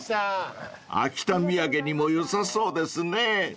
［秋田土産にもよさそうですね］